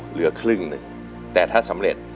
เหลือครึ่งหนึ่งแต่ถ้าสำเร็จ